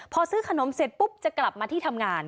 พอซื้อขนมเสร็จปุ๊บจะกลับมาที่ทำงาน